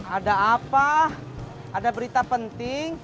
ada apa ada berita penting